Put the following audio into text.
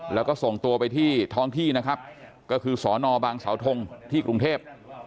แล้วก็ส่งตัวไปที่ท้องที่นะครับก็คือสอนอบางสาวทงที่กรุงเทพ